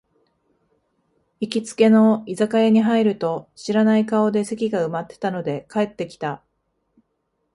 行きつけの居酒屋に入ると、知らない顔で席が埋まってたので帰ってきた